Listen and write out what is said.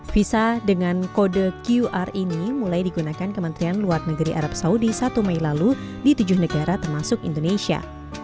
visa dengan kode qr ini mulai digunakan kementerian luar negeri arab saudi satu mei lalu di tujuh negara termasuk indonesia